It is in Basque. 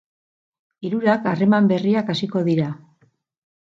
Hirurak harreman berriak hasiko dira.